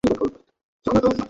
না গিয়া শশীর উপায় থাকিল না।